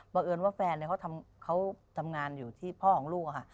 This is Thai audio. เอิญว่าแฟนเขาทำงานอยู่ที่พ่อของลูกค่ะ